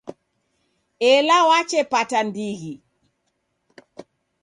Ela wachepata ndighi.